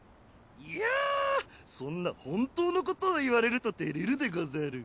いやぁそんな本当のことを言われると照れるでござる！